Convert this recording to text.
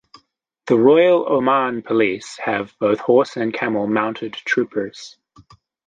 The Royal Oman Police have both horse and camel mounted troopers.